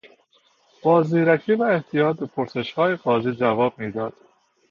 با زیرکی و احتیاط به پرسشهای قاضی جواب میداد.